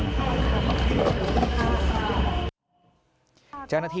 ค่ะขอบคุณมากค่ะ